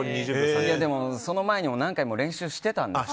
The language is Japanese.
でもその前に何回も練習してたんです。